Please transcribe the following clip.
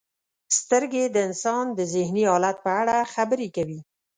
• سترګې د انسان د ذهني حالت په اړه خبرې کوي.